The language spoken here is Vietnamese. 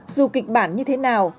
dù kịch bản như thế nào